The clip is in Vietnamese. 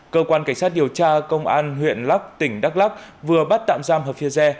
cơ quan cảnh sát điều tra công an huyện lắc tỉnh đắk lắc vừa bắt tạm giam hợp phi xe